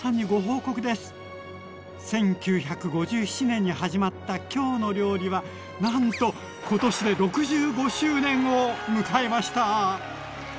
１９５７年に始まった「きょうの料理」はなんと今年で６５周年を迎えました！